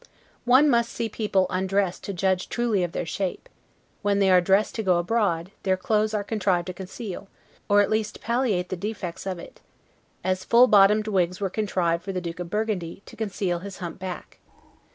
One must see people undressed to judge truly of their shape; when they are dressed to go abroad, their clothes are contrived to conceal, or at least palliate the defects of it: as full bottomed wigs were contrived for the Duke of Burgundy, to conceal his hump back.